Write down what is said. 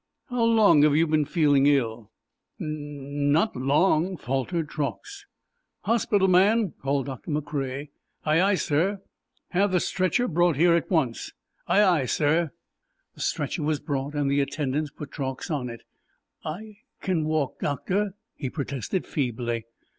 "How long have you been feeling ill?" "N not long," faltered Truax. "Hospital man!" called Doctor McCrea. "Aye, aye, sir!" "Have the stretcher brought here at once." "Aye, aye, sir!" The stretcher was brought, and the attendants put Truax on it. "I can walk, Doctor," he protested feebly.